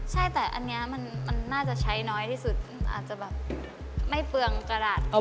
ใช่แต่อันนี้มันน่าจะใช้น้อยที่สุดอาจจะแบบไม่เปลืองกระดาษก